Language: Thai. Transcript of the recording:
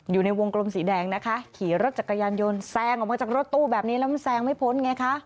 อยู่ในวงกลมสีแดงนะคะขี่รถจักรยานยนต์แซงออกมาจากรถตู้แบบนี้แล้วมันแซงไม่พ้นไงคะ